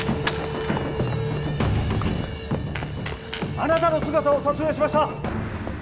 あなたの姿を撮影しました！